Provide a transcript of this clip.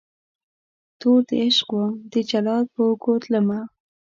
توردعشق وم دجلاد په اوږو تلمه